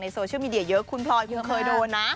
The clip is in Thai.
โซเชียลมีเดียเยอะคุณพลอยเพียงเคยโดนนะ